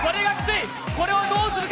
これをどうするか？